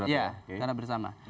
iya secara bersama